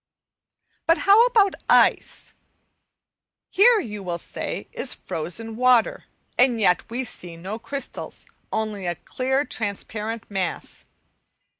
But how about ice? Here, you will say, is frozen water, and yet we see no crystals, only a clear transparent mass.